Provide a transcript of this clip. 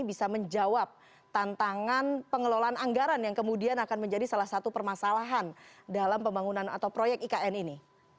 bisa menjawab tantangan pengelolaan anggaran yang kemudian akan menjadi salah satu permasalahan dalam pembangunan atau proyek ikn ini